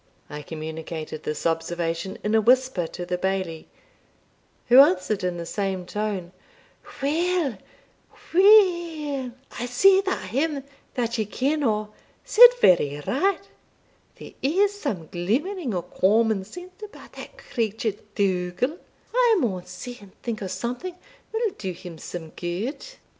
I communicated this observation in a whisper to the Bailie, who answered in the same tone, "Weel, weel, I see that him that ye ken o' said very right; there is some glimmering o' common sense about that creature Dougal; I maun see and think o' something will do him some gude."